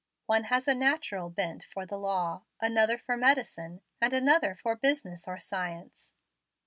One has a natural bent for the law, another for medicine, and another for business or science.